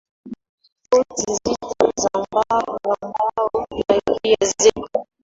boti nzito za mbao na gia zetu